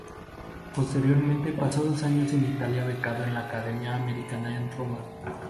Posteriormente pasó dos años en Italia becado en la Academia Americana en Roma.